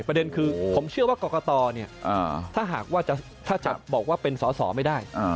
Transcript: ประเด็นคือผมเชื่อว่ากอกกะตอเนี่ยถ้าจะบอกว่าเป็นสอไม่ได้